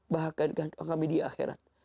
bahagiakan kami di akhirat